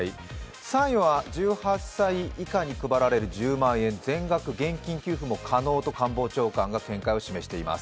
３位は１８歳以下に配られる１０万円、官房長官が見解を示しています。